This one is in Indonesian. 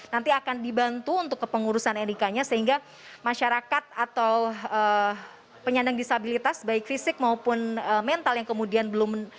nanti akan dibantu untuk kepengurusan nik nya sehingga masyarakat atau penyandang disabilitas baik fisik maupun mental yang kemudian belum